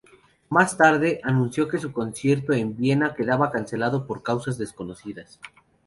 Más tarde, anunció que su concierto en Viena quedaba cancelado por causas desconocidas.